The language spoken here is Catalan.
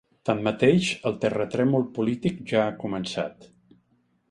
Tanmateix, el terratrèmol polític ja ha començat.